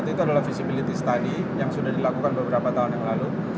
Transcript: itu adalah visibility study yang sudah dilakukan beberapa tahun yang lalu